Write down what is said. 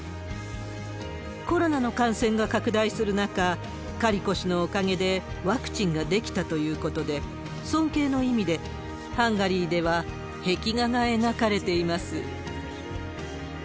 コロナの感染が拡大する中、カリコ氏のおかげでワクチンが出来たということで、尊敬の意味で、ハンガリーでは、壁画が描かれています。